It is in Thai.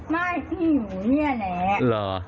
ไม่พี่อยู่นี่แหละ